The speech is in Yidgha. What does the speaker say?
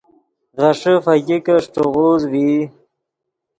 غیݰے فگیکے اݰٹے غوز ڤئی